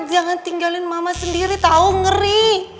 jangan tinggalin mama sendiri tahu ngeri